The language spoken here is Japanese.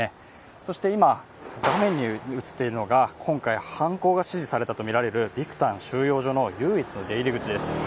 そして今、画面に映っているのが今回、犯行が指示されたとみられるビクタン収容所の唯一の出入り口です。